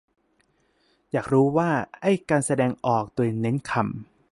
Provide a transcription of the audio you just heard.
อยากรู้ว่าไอ้การแสดงออกโดยเน้นคำ